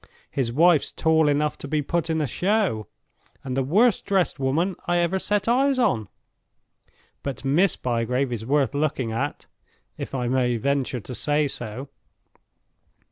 His wife's tall enough to be put in a show, and the worst dressed woman I ever set eyes on. But Miss Bygrave is worth looking at, if I may venture to say so.